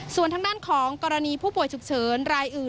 ส่วนทางด้านของกรณีผู้ป่วยฉุกเฉินรายอื่น